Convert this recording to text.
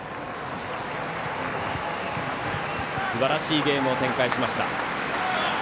すばらしいゲームを展開しました。